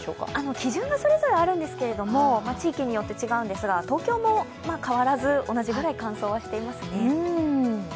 基準がそれぞれあるんですけども、地域によって違うんですが、東京も変わらず、同じくらい乾燥はしていますね。